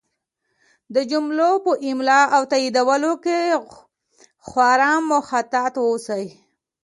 د جملو په املا او تایید کولو کې خورا محتاط اوسئ!